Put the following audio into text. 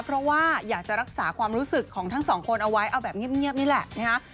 เพราะว่าอยากจะรักษาความรู้สึกของทั้งสองคนเอาไว้เอาแบบเงียบนี่แหละนะคะ